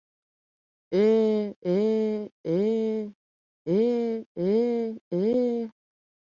Ӧ-ӧ-ӧ, ӧ-ӧ-ӧ!